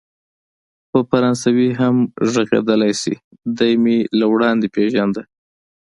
په فرانسوي هم ګړیدلای شي، دی مې له وړاندې پېژانده.